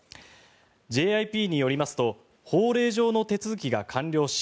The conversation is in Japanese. ＪＩＰによりますと法令上の手続きが完了し